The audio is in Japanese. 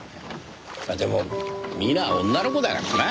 でもミナは女の子だからな。